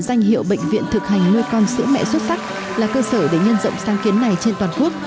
danh hiệu bệnh viện thực hành nuôi con sữa mẹ xuất sắc là cơ sở để nhân rộng sang kiến này trên toàn quốc